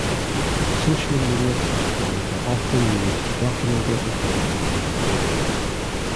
Social media platforms are often used to document their performances and recordings.